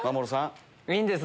いいんです。